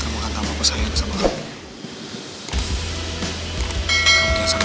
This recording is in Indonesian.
kamu akan tahu aku sayang sama kamu